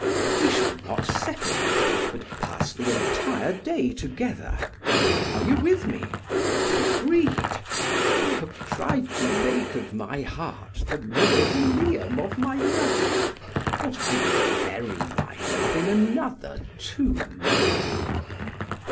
We shall not separate, but pass the entire day together. Are you with me? Agreed! I have tried to make of my heart the mausoleum of my love, but I will bury my love in another tomb."